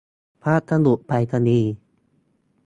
พัสดุไปรษณีย์